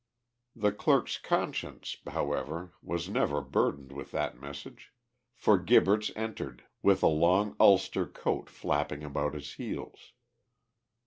The clerk's conscience; however, was never burdened with that message, for Gibberts entered, with a long ulster coat flapping about his heels.